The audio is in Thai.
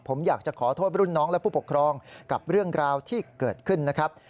ผมอยากจะขอโทษรุ่นน้องและผู้ปกครองกับเรื่องราวที่เกิดขึ้นนะครับ